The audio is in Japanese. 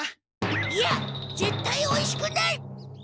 いやぜったいおいしくない！